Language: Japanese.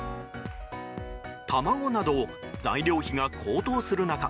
卵など、材料費が高騰する中